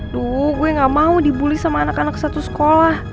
duh gue gak mau dibully sama anak anak satu sekolah